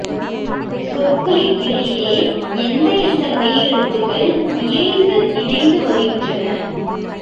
சொற்களின் இடையிலே எந்த எந்த மெய் எழுத்துகள் இயைந்து இணைந்து வருகின்றன.